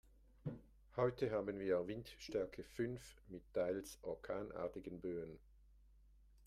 Heute haben wir Windstärke fünf mit teils orkanartigen Böen.